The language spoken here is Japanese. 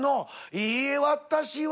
「いいえ私は」